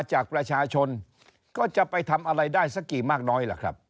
จากประชาชนก็จะไปทำอะไรได้สักกี่มากน้อยล่ะครับ